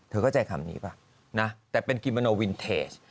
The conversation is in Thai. เข้าใจคำนี้ป่ะนะแต่เป็นกิโมโนวินเทจ